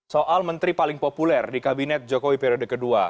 soal menteri paling populer di kabinet jokowi periode kedua